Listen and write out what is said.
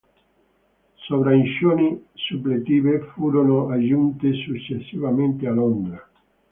Sovraincisioni suppletive furono aggiunte successivamente a Londra.